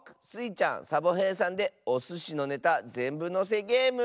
ちゃんサボへいさんでおすしのネタぜんぶのせゲーム。